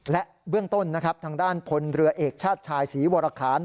และเบื้องต้นนะครับทางด้านพลเรือเอกชาติชายศรีวรคาร